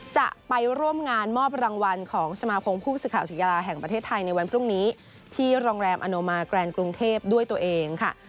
จะไปร่วมงานมอบรางวัลของสมาคมผู้สื่อข่าวศิลาแห่งประเทศไทยในวันพรุ่งนี้ที่โรงแรมอโนมาแกรนกรุงเทพด้วยตัวเองค่ะ